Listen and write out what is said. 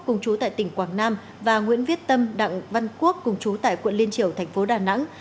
cùng chú tại tỉnh quảng nam và nguyễn viết tâm đặng văn quốc cùng chú tại quận liên triều thành phố đà nẵng